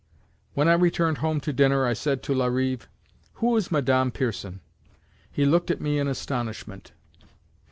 When I returned home to dinner I said to Larive: "Who is that Madame Pierson?" He looked at me in astonishment.